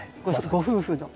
ご夫婦の。